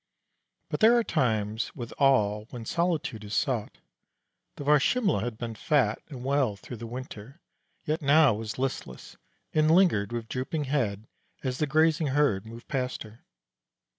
But there are times with all when solitude is sought. The Varsimle' had been fat and well through the winter, yet now was listless, and lingered with drooping head as the grazing herd moved past her.